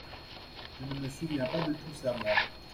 Je ne me souviens pas de tout ça, moi !